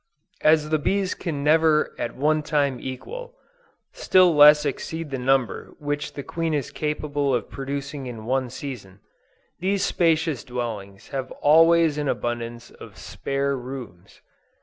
As the bees can never at one time equal, still less exceed the number which the queen is capable of producing in one season, these spacious dwellings have always an abundance of "spare rooms."